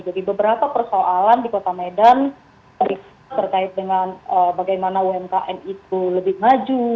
jadi beberapa persoalan di kota medan terkait dengan bagaimana umkm itu lebih maju